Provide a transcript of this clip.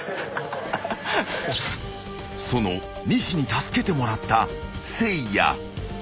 ［その西に助けてもらったせいや］